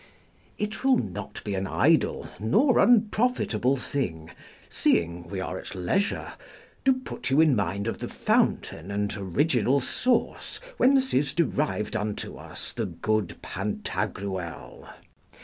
It will not be an idle nor unprofitable thing, seeing we are at leisure, to put you in mind of the fountain and original source whence is derived unto us the good Pantagruel.